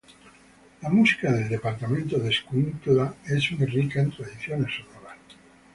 La música del departamento de Escuintla es muy rica en tradiciones sonoras.